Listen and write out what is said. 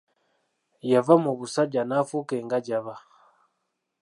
Yava mu busajja n'afuuka engajaba.